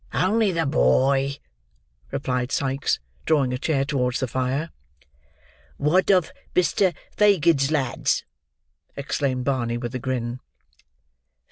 Only the boy!" replied Sikes, drawing a chair towards the fire. "Wud of Bister Fagid's lads," exclaimed Barney, with a grin.